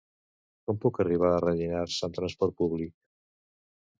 Com puc arribar a Rellinars amb trasport públic?